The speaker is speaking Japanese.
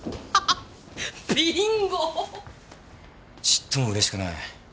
ちっともうれしくない。